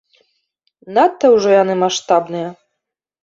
Надта ўжо яны маштабныя.